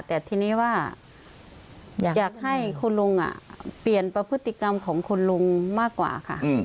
แต่ทีนี้ว่าอยากให้คุณลุงเปลี่ยนประพฤติกรรมของคุณลุงมากกว่าค่ะ